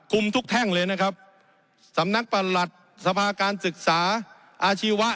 ทุกแท่งเลยนะครับสำนักประหลัดสภาการศึกษาอาชีวะ